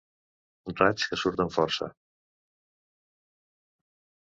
Raig que surt amb força.